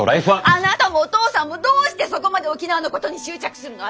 あなたもお父さんもどうしてそこまで沖縄のことに執着するの？